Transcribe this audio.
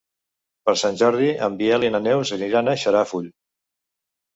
Per Sant Jordi en Biel i na Neus aniran a Xarafull.